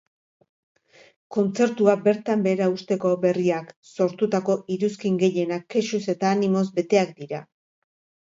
Kontzertua bertan behera uzteko berriak sortutako iruzkin gehienak kexuz eta animoz beteak dira.